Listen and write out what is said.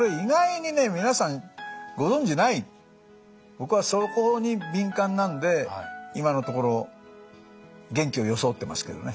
僕はそこに敏感なんで今のところ元気を装ってますけどね。